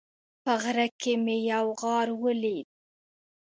په غره کې مې یو غار ولید